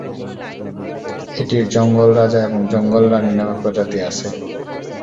এটির জঙ্গল রাজা এবং জঙ্গল রানী নামে প্রজাতি আছে।